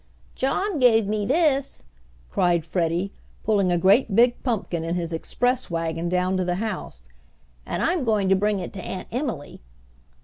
"John gave me this," cried Freddie, pulling a great big pumpkin in his express wagon down to the house. "And I'm going to bring it to Aunt Emily."